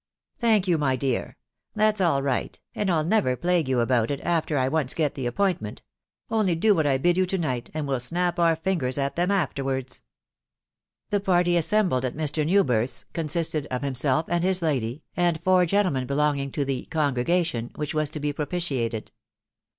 " Thank you, my dear, .... that's all right, and 111 never .plague you about it, after I once get the appointment; only do what I bid you to night, and well snap our fingers at them afterwards." The party assembled at Mr. Newbirth's consisted of himself and his lady, and four gentlemen belonging to " the oon" which was to be propitiated.